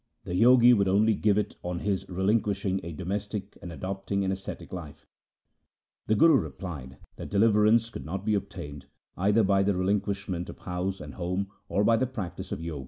The Jogi would only give it on his relinquishing a domestic and adopting an ascetic life. The Guru replied that deliverance could not be obtained either by the relinquishment of house and home or by the practice of Jog.